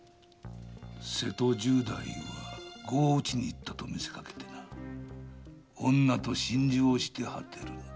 瀬戸十太夫は碁を打ちに行ったと見せかけて女と心中をして果てるのだ。